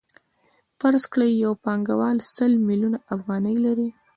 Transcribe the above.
فرض کړئ یو پانګوال سل میلیونه افغانۍ لري